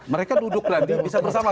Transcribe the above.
mereka duduk lagi bisa bersama